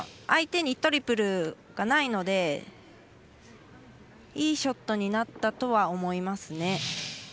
相手にトリプルがないのでいいショットになったとは思いますね。